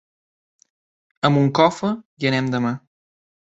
A Moncofa hi anem demà.